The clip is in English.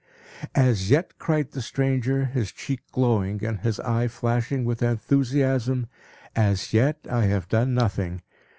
"As yet," cried the stranger, his cheek glowing and his eye flashing with enthusiasm, "as yet, I have done nothing.